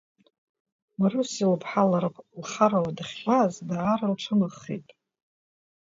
Марусиа лыԥҳа лара лхарала дахьгәааз, даара илцәымӷахеит.